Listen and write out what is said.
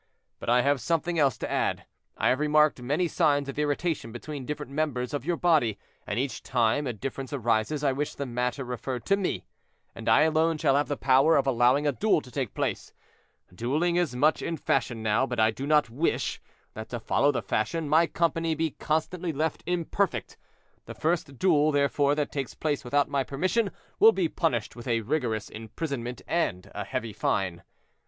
But I have something else to add; I have remarked many signs of irritation between different members of your body, and each time a difference arises I wish the matter referred to me, and I alone shall have the power of allowing a duel to take place. Dueling is much in fashion now, but I do not wish, that, to follow the fashion, my company be constantly left imperfect. The first duel, therefore, that takes place without my permission will be punished with a rigorous imprisonment and a heavy fine.